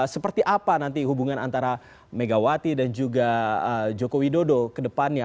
seperti apa nanti hubungan antara megawati dan juga joko widodo ke depannya